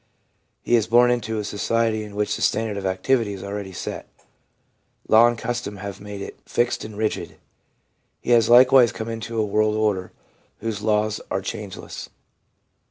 He is born into a society in which the standard of activity is already set. Law and custom have made it fixed and rigid. He has likewise come into a world order whose laws are changeless.